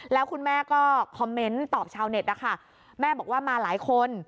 แล้วคุณแม่ก็คอมเมนต์ตอบชาวเน็ตนะคะแม่บอกว่ามาหลายคน